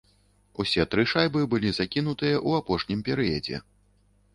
Усе тры шайбы былі закінутыя ў апошнім перыядзе.